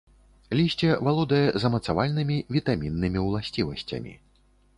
Лісце валодае замацавальнымі, вітаміннымі ўласцівасцямі.